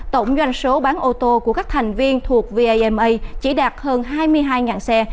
tổng doanh số bán ô tô của các thành viên thuộc vama chỉ đạt hơn hai mươi hai xe